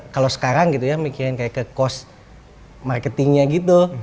kalau sekarang gitu ya mikirin kayak ke cost marketingnya gitu